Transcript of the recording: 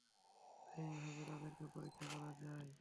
তাই এভাবে তাদেরকে পরীক্ষা করা হয়।